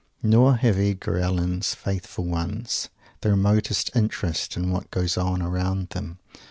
Nor have Edgar Allen's "faithful ones" the remotest interest in what goes on around them.